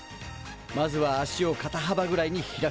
まずは足をかたはばぐらいに開く。